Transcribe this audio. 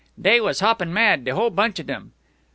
"Dey was hoppin' mad, de whole bunch of dem."